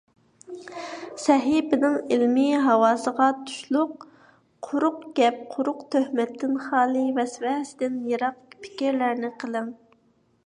سەھىپىنىڭ ئىلمىي ھاۋاسىغا تۇشلۇق، قۇرۇق گەپ، قۇرۇق تۆھمەتتىن خالىي، ۋەسۋەسىدىن يىراق پىكىرلەرنى قىلىڭ!